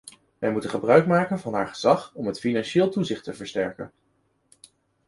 Wij moeten gebruikmaken van haar gezag om het financieel toezicht te versterken.